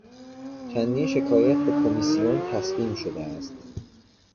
چندین شکایت به کمیسیون تسلیم شده است.